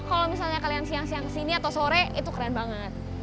kalau misalnya kalian siang siang kesini atau sore itu keren banget